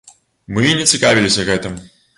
Мы і не цікавіліся гэтым.